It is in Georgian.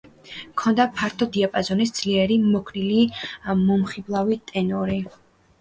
ჰქონდა ფართო დიაპაზონის, ძლიერი, მოქნილი, მომხიბლავი ტენორი.